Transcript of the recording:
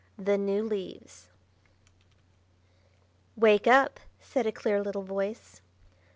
THE NEW LEAVES "Wake up!" said a clear little voice.